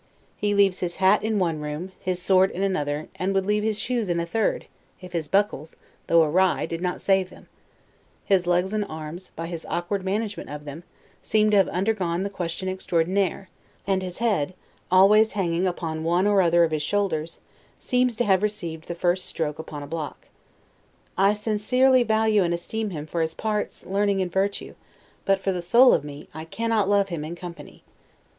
He leaves his hat in one room, his sword in another, and would leave his shoes in a third, if his buckles, though awry, did not save them: his legs and arms, by his awkward management of them, seem to have undergone the question extraordinaire; and his head, always hanging upon one or other of his shoulders, seems to have received the first stroke upon a block. I sincerely value and esteem him for his parts, learning, and virtue; but, for the soul of me, I cannot love him in company.